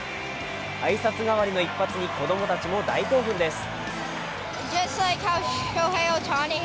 挨拶代わりの一発に子供たちも大興奮です。